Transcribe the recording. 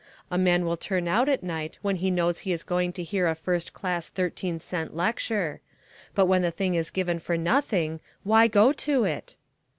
A man will turn out at night when he knows he is going to hear a first class thirteen cent lecture; but when the thing is given for nothing, why go to it?